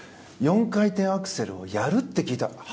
４回転アクセルをやるって聞いた。